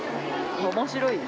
面白い？